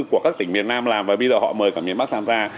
của các tỉnh miền nam làm và bây giờ họ mời cả miền bắc tham gia